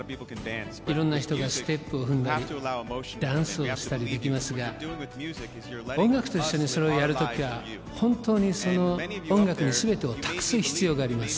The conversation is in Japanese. いろんな人がステップを踏んだり、ダンスをしたりできますが、音楽としてのそれをやるときは、本当に音楽にすべてを託す必要があります。